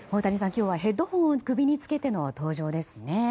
今日はヘッドホンを首につけたの登場ですね。